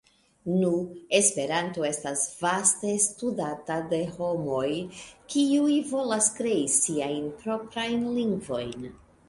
Nu, Esperanto estas vaste studata de homoj, kiuj volas krei siajn proprajn lingvojn.